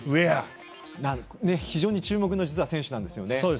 実は非常に注目の選手なんですよね。